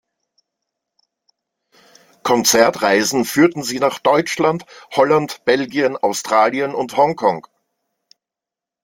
Konzertreisen führten sie nach Deutschland, Holland, Belgien, Australien und Hongkong.